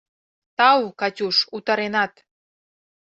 «Тау, Катюш, утаренат.